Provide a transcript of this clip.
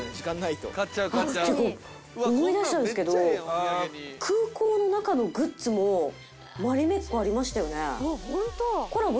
思い出したんですけど空港の中のグッズもマリメッコありましたよね？